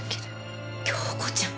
杏子ちゃん。